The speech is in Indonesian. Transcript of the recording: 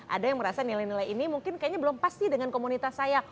ada yang merasa nilai nilai ini mungkin kayaknya belum pasti dengan komunitas saya